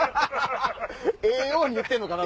ええように言ってんのかな？